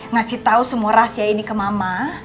ngasih tahu semua rahasia ini ke mama